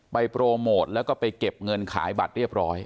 โปรโมทแล้วก็ไปเก็บเงินขายบัตรเรียบร้อย